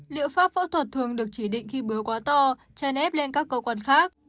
liệu pháp phẫu thuật thường được chỉ định khi bướu quá to chai nếp lên các cơ quan khác